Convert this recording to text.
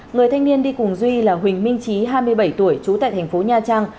người thanh niên đi cùng duy là huỳnh minh trí hai mươi bảy tuổi trú tại thành phố nha trang